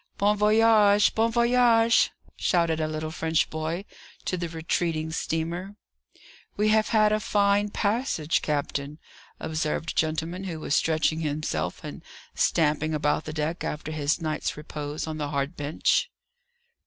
"Bon voyage! bon voyage!" shouted out a little French boy to the retreating steamer. "We have had a fine passage, captain," observed a gentleman who was stretching himself and stamping about the deck, after his night's repose on the hard bench.